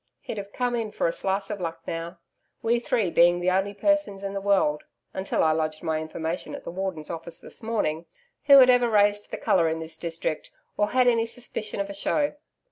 He'd have come in for a slice of luck now we three being the only persons in the world until I lodged my information at the Warden's office this morning who had ever raised the colour in this district or had any suspicion of a show.